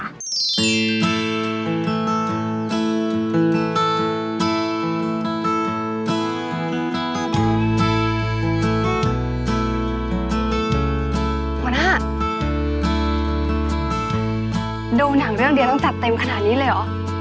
หัวหน้าดูหนังเรื่องเดียวต้องจัดเต็มขนาดนี้เลยเหรอ